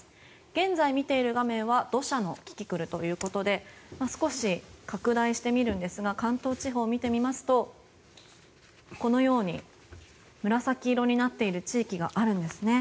現在見ている画面は土砂のキキクルということで少し拡大してみるんですが関東地方を見てみますとこのように紫色になっている地域があるんですね。